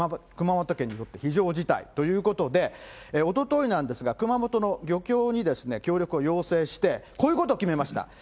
熊本県にとって非常事態ということで、おとといなんですが、熊本の漁協に協力を要請して、こういうことを決めました。